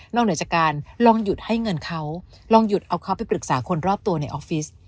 เหนือจากการลองหยุดให้เงินเขาลองหยุดเอาเขาไปปรึกษาคนรอบตัวในออฟฟิศ